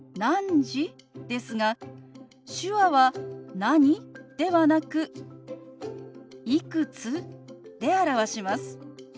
ですが手話は「何？」ではなく「いくつ？」で表します。